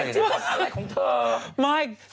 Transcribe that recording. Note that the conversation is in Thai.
แองกี้ผ่อนอะไรของเธอ